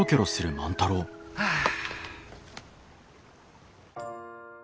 はあ。